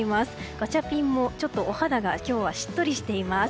ガチャピンもちょっとお肌がしっとりしています。